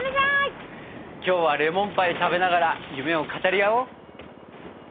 今日はレモンパイ食べながら夢を語り合おう。